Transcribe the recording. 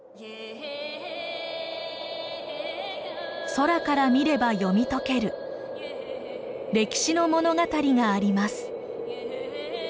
空から見れば読み解ける歴史の物語があります。